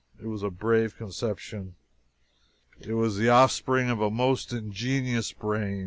It was a brave conception; it was the offspring of a most ingenious brain.